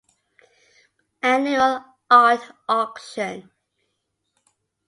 Annual Art Auction.